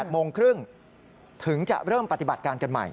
โมงครึ่งถึงจะเริ่มปฏิบัติการกันใหม่